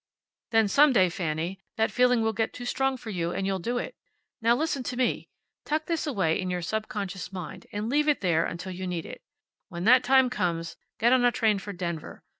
"Then some day, Fanny, that feeling will get too strong for you, and you'll do it. Now listen to me. Tuck this away in your subconscious mind, and leave it there until you need it. When that time comes get on a train for Denver.